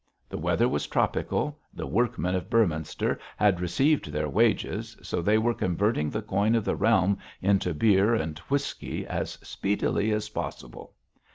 The weather was tropical, the workmen of Beorminster had received their wages, so they were converting the coin of the realm into beer and whisky as speedily as possibly.